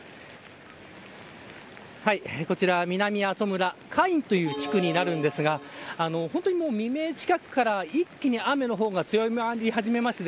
こちら南阿蘇村カイという地区にいるんですが未明近くから一気に雨の方が強まり始めまして